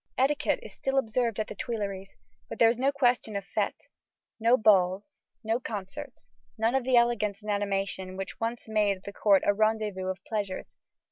Etiquette is still observed at the Tuileries, but there is no question of fêtes; no balls, no concerts, none of that elegance and animation which once made the court a rendezvous of pleasures.